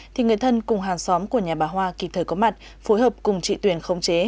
thì người thân cùng hàng xóm của nhà bà hoa kịp thời có mặt phối hợp cùng chị tuyền khống chế